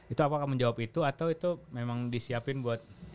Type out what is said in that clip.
itu apakah menjawab itu atau itu memang disiapin buat